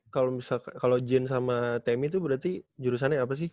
kalau misalkan kalau jin sama temi tuh berarti jurusannya apa sih